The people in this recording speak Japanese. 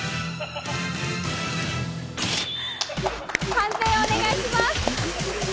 判定をお願いします。